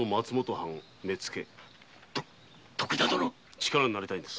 力になりたいのです。